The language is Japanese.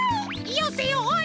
よせよおい。